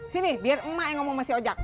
sini biar emak yang ngomong sama si ojak